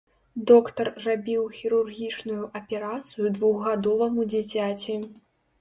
Доктар рабіў хірургічную аперацыю двухгадоваму дзіцяці.